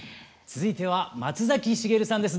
続いては松崎しげるさんです。